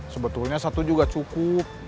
sebetulnya satu juga cukup